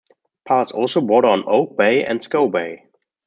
Parts also border on Oak Bay and Scow Bay.